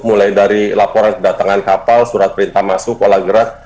mulai dari laporan kedatangan kapal surat perintah masuk pola gerak